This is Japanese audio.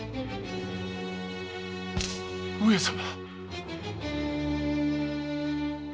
上様。